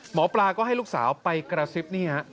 หมอปลาก็ให้ลูกสาวไปกระซิบนี่ฮะ